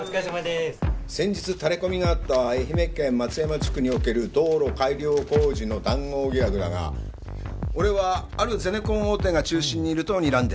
先日タレコミがあった愛媛県松山地区における道路改良工事の談合疑惑だが俺はあるゼネコン大手が中心にいるとにらんでる。